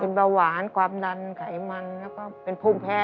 เป็นเบาหวานความดันไขมันแล้วก็เป็นภูมิแพ้